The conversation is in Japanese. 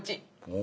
お！